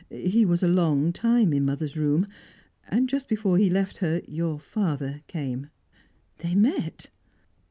He was a long time in mother's room, and just before he left her your father came." "They met?"